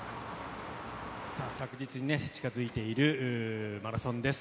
着実にね、近づいているマラソンです。